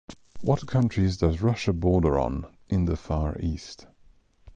What countries does Russia border on in the Far East?